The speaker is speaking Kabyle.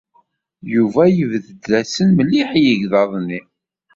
Yuba yebded-asen mliḥ i yegḍaḍ-nni.